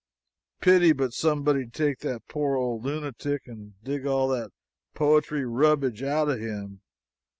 Pity but somebody'd take that poor old lunatic and dig all that poetry rubbage out of him.